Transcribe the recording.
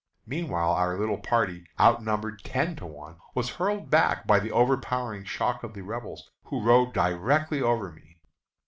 Meanwhile our little party, outnumbered ten to one, was hurled back by the overpowering shock of the Rebels, who rode directly over me.